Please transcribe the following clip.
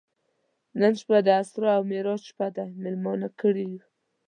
نن شپه د اسرا او معراج شپه ده میلمانه کړي یو.